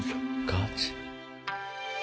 ガーチ。